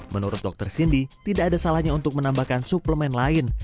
menurut dokter cindy tidak ada salahnya untuk menambahkan suplemen lain